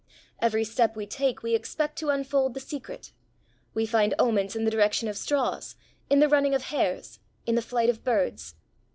Every step we take we expect to unfold the secret. We find omens in the direction of straws, in the running of hares, in the flight of birds.